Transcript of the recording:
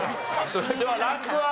それではランクは？